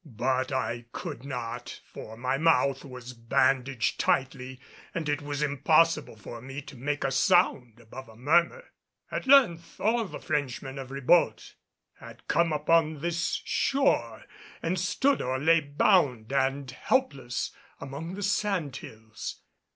But I could not, for my mouth was bandaged tightly and it was impossible for me to make a sound above a murmur. At length all the Frenchmen of Ribault had come upon this shore and stood or lay bound and helpless among the sand hills.